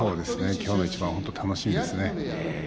きょうの一番は本当に楽しみですね。